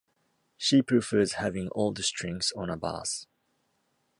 She prefers having old strings on a bass.